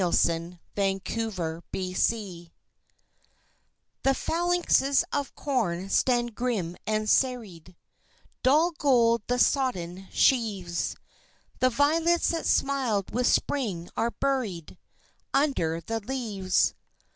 Under the Leaves The phalanxes of corn stand grim and serried, Dull gold the sodden sheaves, The violets that smiled with Spring are buried Under the leaves.